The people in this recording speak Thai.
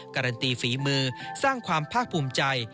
การันตีฝีมือสร้างความภาคภูมิใจ